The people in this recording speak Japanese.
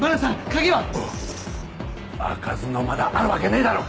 鍵は⁉あかずの間だあるわけねえだろ！